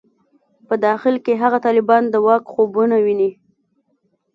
په داخل کې هغه طالبان د واک خوبونه ویني.